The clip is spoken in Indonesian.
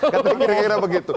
kata kira kira begitu